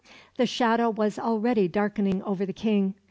The shadow was already darkening over the King.